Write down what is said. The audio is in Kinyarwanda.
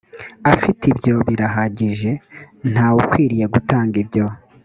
afite ibyo birahagije nta wukwiriye gutanga ibyo